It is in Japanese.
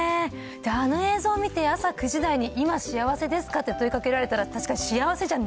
あの映像見て、朝９時台に今幸せですか？って問いかけられたら、確かに幸せじゃ